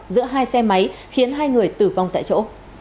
giữa hai xe máy khiến hai người tử vong tại chỗ